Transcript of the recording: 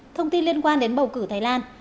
thông tin liên quan đến bầu cử thái lan